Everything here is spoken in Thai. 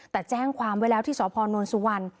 แต่แจ้งความไว้แล้วที่สพนสุวรรณ